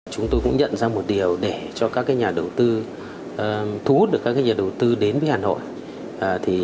chúng tôi cũng nhận ra một điều để cho các nhà đầu tư thu hút được các nhà đầu tư đến với hà nội